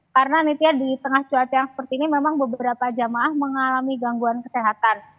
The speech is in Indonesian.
karena nanti ya di tengah cuaca yang seperti ini memang beberapa jemaah mengalami gangguan kesehatan